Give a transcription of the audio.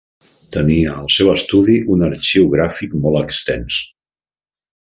Tenia al seu estudi un arxiu gràfic molt extens.